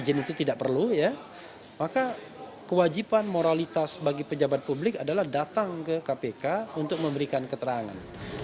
jika izin itu tidak perlu ya maka kewajiban moralitas bagi pejabat publik adalah datang ke kpk untuk memberikan keterangan